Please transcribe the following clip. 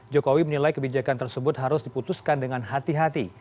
jokowi menilai kebijakan tersebut harus diputuskan dengan hati hati